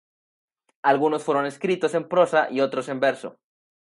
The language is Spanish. Algunos fueron escritos en prosa y otros en verso.